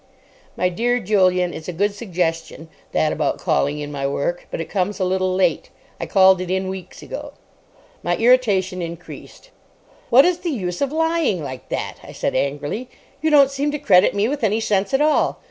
"My dear Julian, it's a good suggestion, that about calling in my work. But it comes a little late. I called it in weeks ago." My irritation increased. "What is the use of lying like that?" I said angrily. "You don't seem to credit me with any sense at all.